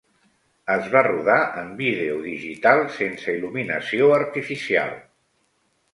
Es va rodar en vídeo digital sense il·luminació artificial.